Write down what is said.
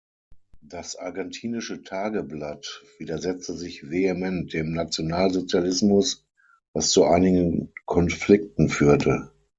Das "Argentinische Tageblatt" widersetzte sich vehement dem Nationalsozialismus, was zu einigen Konflikten führte.